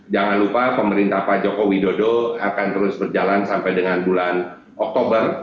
jangan lupa pemerintah pak joko widodo akan terus berjalan sampai dengan bulan oktober